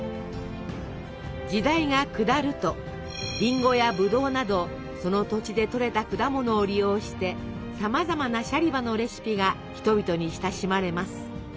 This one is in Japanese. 時代が下るとりんごやぶどうなどその土地で採れた果物を利用してさまざまなシャリバのレシピが人々に親しまれます。